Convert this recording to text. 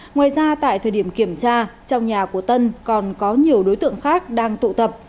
ngoài ra tại thời điểm kiểm tra trong nhà của tân còn có nhiều đối tượng khác đang tụ tập